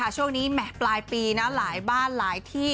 ช่วงนี้ปลายปีหลายบ้านหลายที่